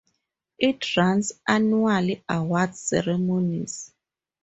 It runs annual award ceremonies.